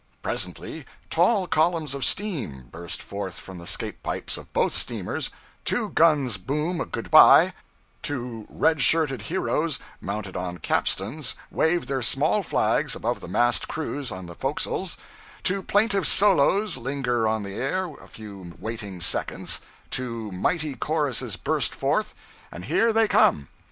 Presently tall columns of steam burst from the 'scape pipes of both steamers, two guns boom a good bye, two red shirted heroes mounted on capstans wave their small flags above the massed crews on the forecastles, two plaintive solos linger on the air a few waiting seconds, two mighty choruses burst forth and here they come!